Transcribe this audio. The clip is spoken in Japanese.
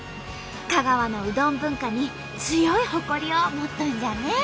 香川のうどん文化に強い誇りを持っとんじゃね！